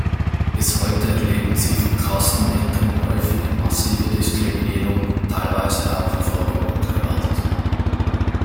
Bis heute erleben sie von Kasten-Indern häufig massive Diskriminierung, teilweise auch Verfolgung und Gewalt.